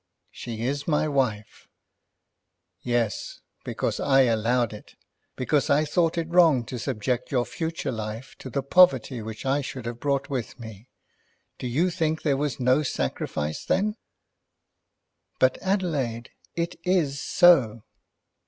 "She is my wife." "Yes; because I allowed it; because I thought it wrong to subject your future life to the poverty which I should have brought with me. Do you think there was no sacrifice then?" "But, Adelaide; it is so."